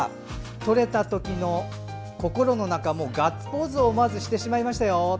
撮れた時の心の中ガッツポーズを思わずしてしまいました。